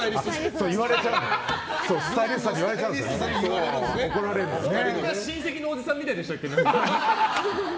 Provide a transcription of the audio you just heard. そんな親戚のおじさんみたいでしたっけ？